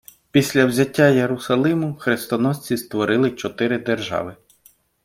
Після взяття Єрусалиму хрестоносці створили чотири держави.